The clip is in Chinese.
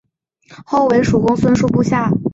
后为蜀公孙述属下。